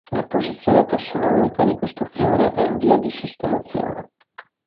La posizione tassonomica di questo fiore è in via di sistemazione.